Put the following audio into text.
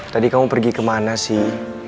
tadi kamu pergi kemana sih